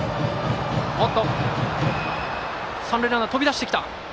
三塁ランナー、飛び出してきた。